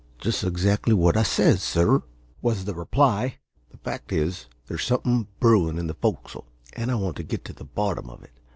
"Just exactly what I says, sir," was the reply. "The fact is, there's something brewin' in the fo'c's'le, and I want to get to the bottom of it.